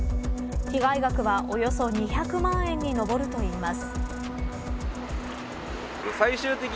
被害額は、およそ２００万円に上るといいます。